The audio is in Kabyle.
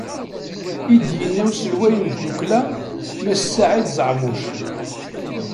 I d-yenna uselway n tdukkla Mass Saɛid Zeɛmuc.